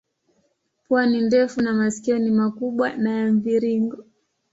Pua ni ndefu na masikio ni makubwa na ya mviringo.